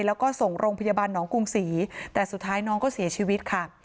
แล้วก็ส่งโรงพยาบาลหนองกรุงศรีแต่สุดท้ายน้องก็เสียชีวิตค่ะ